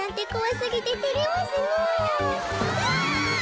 うわ。